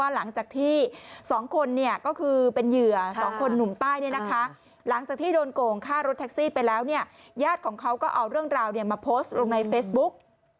หลังจากที่โดนโกงฆ่ารถแท็กซี่ไปแล้วย่าดของเขาก็เอาเรื่องราวมาโพสต์ลงในเฟซบุ๊ก